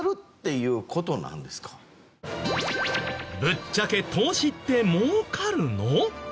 ぶっちゃけ投資って儲かるの？